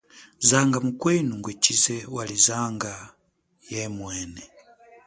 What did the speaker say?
Zanga mukwenu ngwechize wali zanga yemwene.